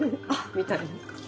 みたいな。